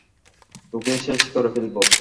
তোকে শেষ করে ফেলবো!